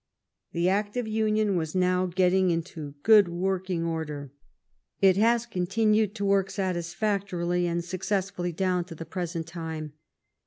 The act of union was now getting into good work ing order. It has continued to work satisfactorily and successfully down to the present time.